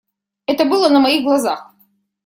Это было на моих глазах.